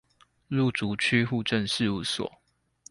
路竹區戶政事務所